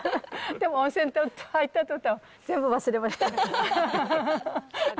でも温泉に入ったとたん、全部忘れました。